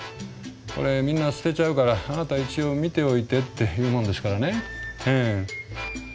これみんな捨てちゃうからあなた一応見ておいてって言うもんですからねええ。